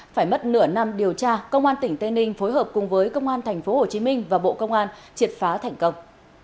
phải mất nửa năm điều tra công an tỉnh tây ninh phối hợp cùng với công an tp hcm và bộ công an triệt phá thành công